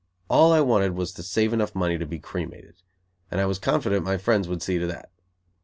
All I wanted was to save enough money to be cremated; and I was confident my friends would see to that.